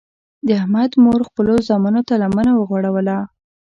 د احمد مور خپلو زمنو ته لمنه وغوړوله.